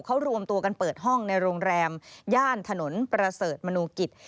เขารวมตัวกันเปิดห้องในโรงแรมย่านถนนประเสริฐมนุกิจ